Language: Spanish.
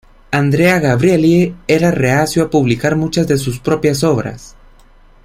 Andrea Gabrielli era reacio a publicar muchas de sus propias obras.